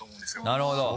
なるほど！